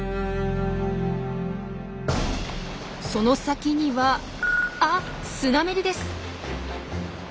その先にはあっスナメリです！